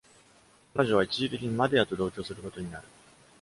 彼女は一時的にマデアと同居することになる。